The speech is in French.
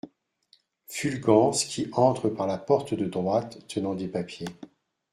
Fulgence, qui entre par la porte de droite, tenant des papiers.